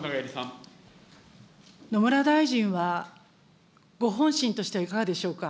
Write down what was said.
野村大臣は、ご本心としてはいかがでしょうか。